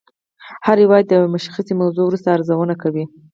هر هېواد د یوې مشخصې مودې وروسته ارزونه کوي